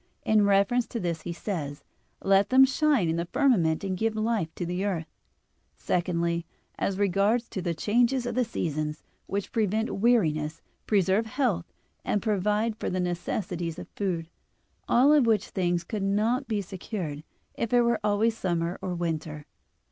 In reference to this he says: "Let them shine in the firmament and give life to the earth." Secondly, as regards the changes of the seasons, which prevent weariness, preserve health, and provide for the necessities of food; all of which things could not be secured if it were always summer or winter.